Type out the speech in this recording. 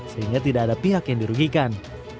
sehingga tidak ada pihak yang dirugikan